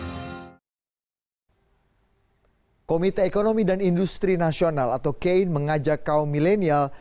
pemerintah ekonomi dan industri nasional atau kein mengajak kaum milenial